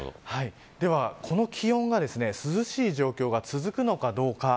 では、この気温が涼しい状況が続くのかどうか。